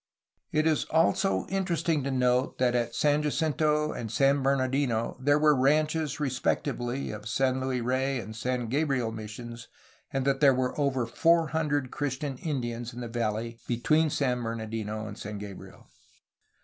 It is also interesting to note that at San Jacinto and San Bernardino there were ranches respectively of San Luis Rey and San Gabriel missions and that there were over four hundred Christian Indians in the valley between San Bernardino and San Gabriel.